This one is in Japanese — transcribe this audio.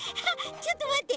ちょっとまって。